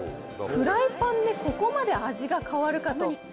フライパンでここまで味が変わるかと。